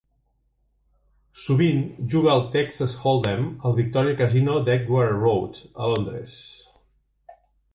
Sovint juga al 'Texas hold 'em' al Victoria Casino d'Edgware Road, a Londres.